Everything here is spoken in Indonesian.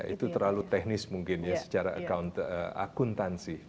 ya itu terlalu teknis mungkin ya secara account akuntansi